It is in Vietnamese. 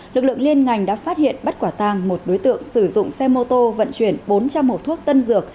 lực lượng liên ngành đã phát hiện bắt quả tàng một đối tượng sử dụng xe mô tô vận chuyển bốn trăm linh hộp thuốc tân dược